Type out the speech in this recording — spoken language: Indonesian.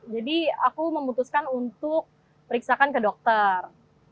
jadi aku memutuskan untuk periksakan ke dokter